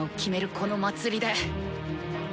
この祭りで。